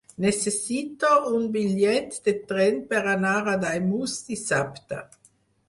Necessito un bitllet de tren per anar a Daimús dissabte.